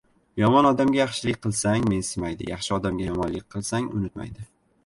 • Yomon odamga yaxshilik qilsang — mensimaydi, yaxshi odamga yomonlik qilsang — unutmaydi.